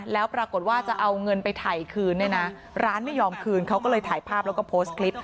แล้วปรากฏว่าจะเอาเงินไปถ่ายคืนเนี่ยนะร้านไม่ยอมคืนเขาก็เลยถ่ายภาพแล้วก็โพสต์คลิป